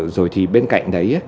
rồi thì bên cạnh đấy